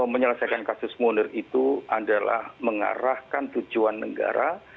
menyelesaikan kasus munir itu adalah mengarahkan tujuan negara